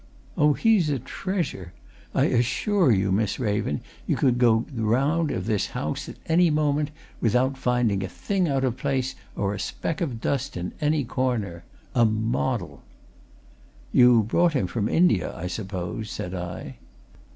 Oh, he's a treasure I assure you, Miss Raven, you could go the round of this house, at any moment, without finding a thing out of place or a speck of dust in any corner. A model!" "You brought him from India, I suppose?" said I.